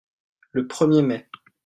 Le premier mai.